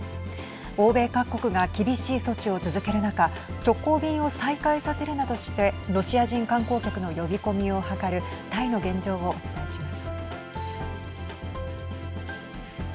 欧米各国が厳しい措置を続ける中直行便を再開させるなどしてロシア人観光客の呼び込みを図るタイの現状をお伝えします。